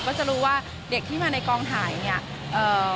ก็จะรู้ว่าเด็กที่มาในกองถ่ายเนี่ยเอ่อ